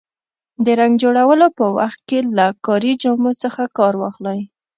د رنګ جوړولو په وخت کې له کاري جامو څخه کار واخلئ.